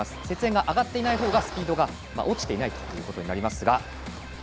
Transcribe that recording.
雪煙が上がっていないほうがスピードが落ちてないことになります。